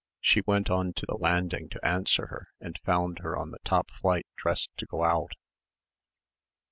She went on to the landing to answer her and found her on the top flight dressed to go out.